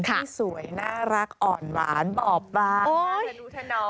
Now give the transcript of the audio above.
ที่สวยน่ารักอ่อนหวานบอบบาง